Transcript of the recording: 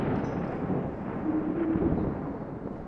黑金的球员生涯始于威斯特伐利亚索斯特。